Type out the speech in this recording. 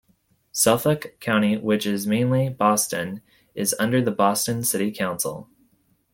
Suffolk County which is mainly Boston is under the Boston City Council.